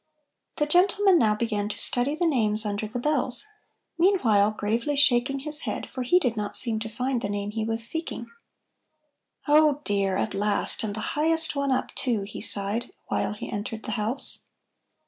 The gentleman now began to study the names under the bells, meanwhile gravely shaking his head, for he did not seem to find the name he was seeking. "Oh dear, at last! and the highest one up, too," he sighed, while he entered the house.